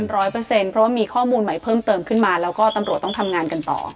เพราะว่ามีข้อมูลใหม่เพิ่มเติมขึ้นมาแล้วก็ตำรวจต้องทำงานกันต่อ